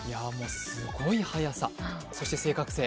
すごい速さそして正確性。